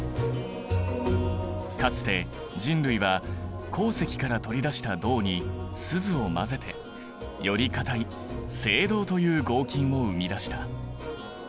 かつて人類は鉱石から取り出した銅にスズを混ぜてより硬い青銅という合金を生み出した。